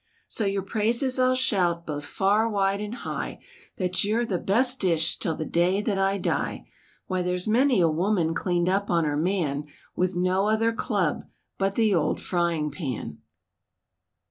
So your praises I'll shout, both far, wide and high, That you're the best dish, till the day that I die; Why, there's many a woman "cleaned up" on her man With no other club but the old frying pan.